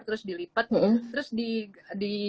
terus dilipat terus di